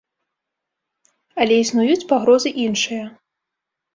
Але існуюць пагрозы іншыя.